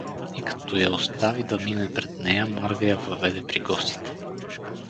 И като я остави да мине пред нея, Марга я въведе при гостите.